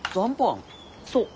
そう。